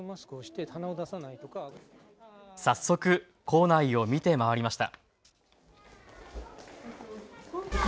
早速、校内を見て回りました。